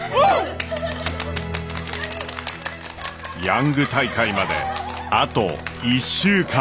ヤング大会まであと１週間。